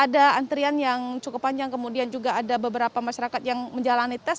sudah panjang kemudian juga ada beberapa masyarakat yang menjalani tes